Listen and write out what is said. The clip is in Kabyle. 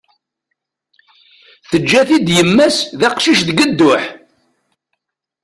Teǧǧa-t-id yemma-s d aqcic deg dduḥ.